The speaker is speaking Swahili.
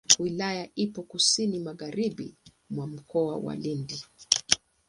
Wilaya ipo kusini magharibi mwa Mkoa wa Lindi.